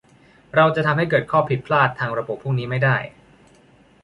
เราจะทำให้เกิดข้อผิดพลาดทางระบบพวกนี้ไม่ได้